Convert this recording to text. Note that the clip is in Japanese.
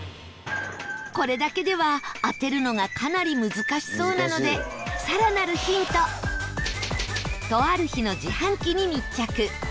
これだけでは、当てるのがかなり難しそうなので更なるヒントとある日の自販機に密着